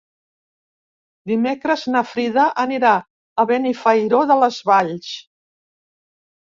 Dimecres na Frida anirà a Benifairó de les Valls.